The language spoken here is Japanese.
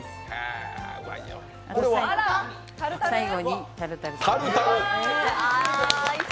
最後にタルタル。